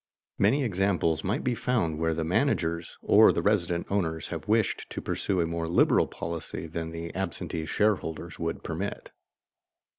Many examples might be found where the managers or the resident owners have wished to pursue a more liberal policy than the absentee shareholders would permit.